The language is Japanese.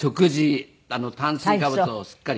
炭水化物をすっかり。